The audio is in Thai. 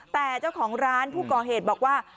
แต่เจ้าของร้านผู้ก่อเหตุบอกว่า